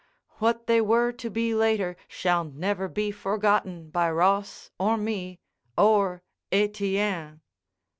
What they were to be later shall never be forgotten by Ross or me or Etienne.